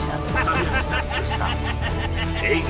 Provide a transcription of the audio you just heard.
jangan mengakul jangan mengakul